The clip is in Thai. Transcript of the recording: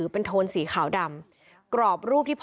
พีท